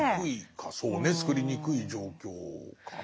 そうねつくりにくい状況かな。